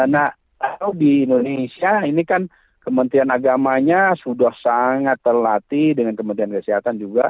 nah di indonesia ini kan kementerian agamanya sudah sangat terlatih dengan kementerian kesehatan juga